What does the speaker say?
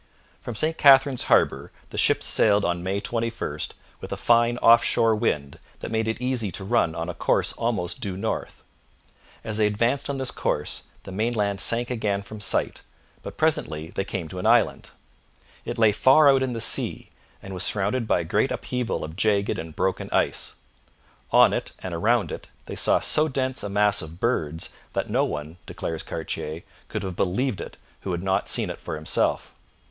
From St Catherine's Harbour the ships sailed on May 21 with a fine off shore wind that made it easy to run on a course almost due north. As they advanced on this course the mainland sank again from sight, but presently they came to an island. It lay far out in the sea, and was surrounded by a great upheaval of jagged and broken ice. On it and around it they saw so dense a mass of birds that no one, declares Cartier, could have believed it who had not seen it for himself.